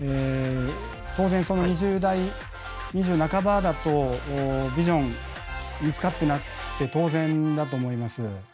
当然２０代２０半ばだとビジョン見つかってなくて当然だと思います。